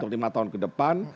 atau lima tahun ke depan